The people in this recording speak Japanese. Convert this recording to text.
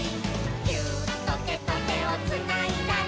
「ギューッとてとてをつないだら」